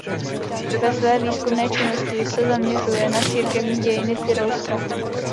Ve své výzkumné činnosti se zaměřuje na církevní dějiny Tyrolska.